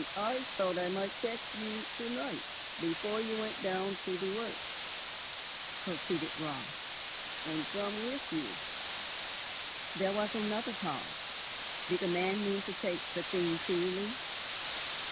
"And I thought I might catch you to night before you went down to the works," proceeded Raut, "and come with you." There was another pause. Did the man mean to take the thing coolly?